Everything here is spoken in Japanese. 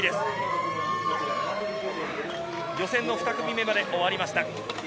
予選２組目まで終わりました。